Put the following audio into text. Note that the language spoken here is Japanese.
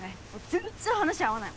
全然話合わない。